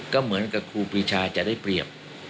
ก็เหมือนกับครูปีชาจะได้เปรียบ